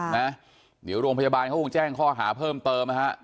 เดี๋ยวโรงพยาบาลก็คงแจ้งข้อหาเพิ่มเติม